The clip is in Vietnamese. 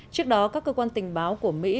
trước đó các cơ quan tình báo của mỹ